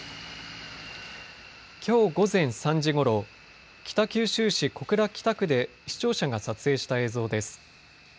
きょう午前３時ごろ、北九州市小倉北区で視聴者が撮影した映像です。